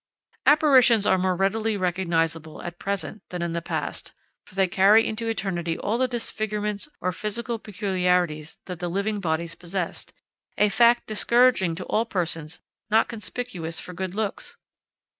Apparitions are more readily recognizable at present than in the past, for they carry into eternity all the disfigurements or physical peculiarities that the living bodies possessed a fact discouraging to all persons not conspicuous for good looks.